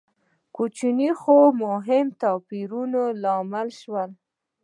کوچني خو مهم توپیرونه لامل شول.